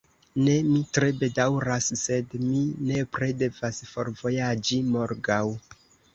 Ne, mi tre bedaŭras, sed mi nepre devas forvojaĝi morgaŭ.